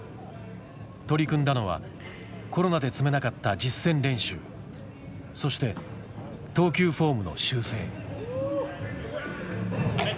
取り組んだのはコロナで積めなかった実戦練習そして投球フォームの修正。